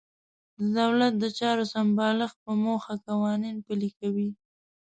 د دولت د چارو سمبالښت په موخه قوانین پلي کوي.